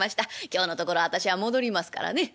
今日のところは私は戻りますからね。